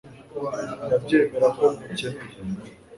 ndabyemera ko nkukeneye